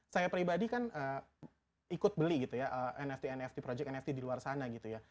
saya pribadi kan ikut beli gitu ya nft nft project nft di luar sana gitu ya